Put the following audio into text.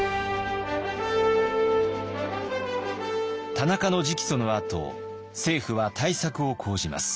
田中の直訴のあと政府は対策を講じます。